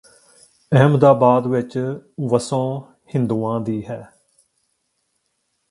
ਅਹਿਮਦਾਬਾਦ ਵਿੱਚ ਵੱਸੋਂ ਹਿੰਦੂਆਂ ਦੀ ਹੈ